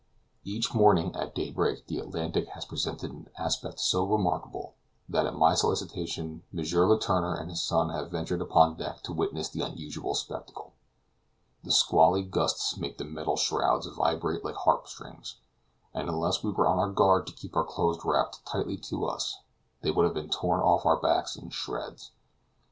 Each morning at daybreak the Atlantic has presented an aspect so remarkable, that at my solicitation, M. Letourneur and his son have ventured upon deck to witness the unusual spectacle. The squally gusts make the metal shrouds vibrate like harp strings; and unless we were on our guard to keep our clothes wrapped tightly to us, they would have been torn off our backs in shreds.